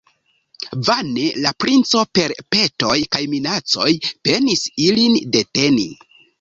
Vane la princo per petoj kaj minacoj penis ilin deteni.